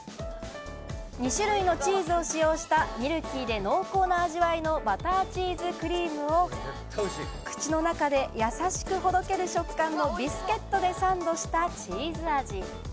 ２種類のチーズを使用したミルキーで濃厚な味わいのバターチーズクリームを口の中でやさしくほどける食感のビスケットでサンドしたチーズ味。